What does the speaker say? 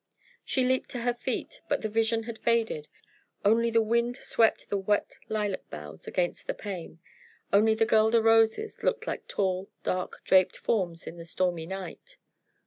She leaped to her feet. But the vision had faded; only the wind swept the wet lilac boughs against the pane, only the guelder roses looked like tall, dark, draped forms in the stormy night.